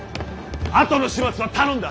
後の始末は頼んだ。